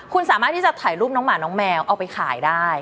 คุณสามารถที่จะถ่ายรูปน้องหมาน้องแมวเอาไปขายได้